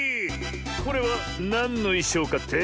これはなんのいしょうかって？